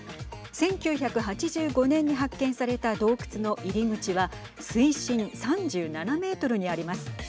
１９８５年に発見された洞窟の入り口は水深３７メートルにあります。